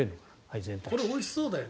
これ、おいしそうだよね。